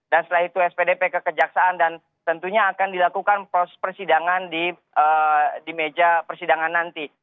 dan setelah itu spdp kekejaksaan dan tentunya akan dilakukan proses persidangan di meja persidangan nanti